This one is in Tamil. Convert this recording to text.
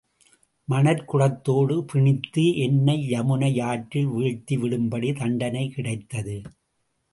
மணற் குடத்தோடு பிணித்து என்னை யமுனை யாற்றில் வீழ்த்தி விடும்படி தண்டனை கிடைத்தது.